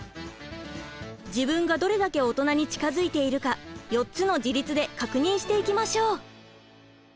自分がどれだけオトナに近づいているか４つの自立で確認していきましょう！